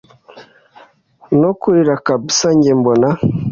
no kurira kabsa njye mbona